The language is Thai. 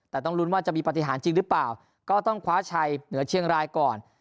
แต่ต้องลุ้นว่าจะมีปฏิหารจริงหรือเปล่าก็ต้องคว้าชัยเหนือเชียงรายก่อน